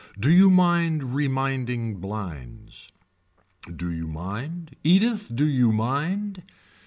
Do you mind reminding blinds. Do you mind. Edith do you mind.